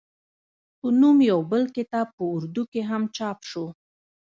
پۀ نوم يو بل کتاب پۀ اردو کښې هم چاپ شو